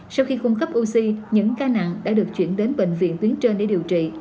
sau khi cung cấp oxy những ca nặng đã được chuyển đến bệnh viện tuyến trên để điều trị